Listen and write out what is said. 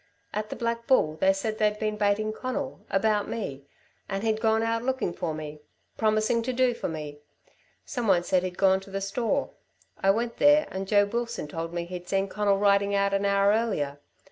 At the Black Bull they said they'd been baiting Conal about me and he'd gone out looking for me promising to do for me. Some one said he'd gone to the store. I went there and Joe Wilson told me he'd seen Conal riding out an hour earlier.